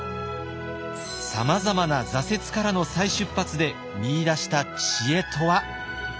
さまざまな挫折からの再出発で見いだした知恵とは？